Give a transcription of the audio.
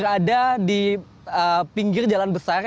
berada di pinggir jalan besar